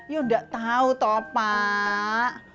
ya udah tahu toh pak